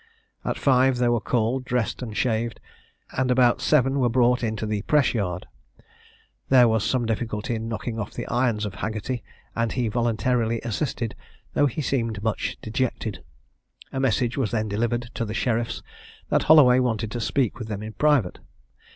At five they were called, dressed, and shaved, and about seven were brought into the press yard. There was some difficulty in knocking off the irons of Haggerty, and he voluntarily assisted, though he seemed much dejected. A message was then delivered to the sheriffs, that Holloway wanted to speak with them in private.